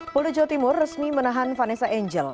polda jawa timur resmi menahan vanessa angel